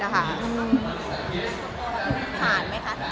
ผ่านไหมคะทุกคน